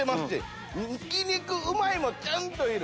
ひき肉うまいもちゃんといる。